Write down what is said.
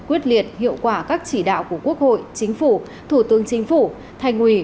quyết liệt hiệu quả các chỉ đạo của quốc hội chính phủ thủ tướng chính phủ thành ủy